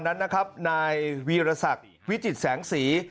นั้นนะครับนายวีรศักดิ์วิจิตแสงสี